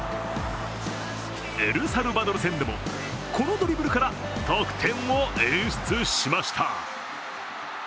エルサルバドル戦でも、このドリブルから得点を演出しました。